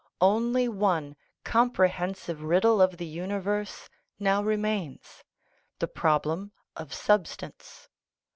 Only one comprehensive riddle of the universe now remains the problem of substance.